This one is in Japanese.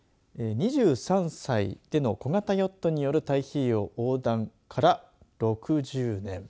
２３歳での小型ヨットによる太平洋横断から６０年。